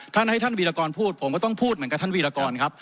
ท่านให้ท่านวีรกรพูดผมก็ต้องพูดเหมือนกับท่านวีรกรครับ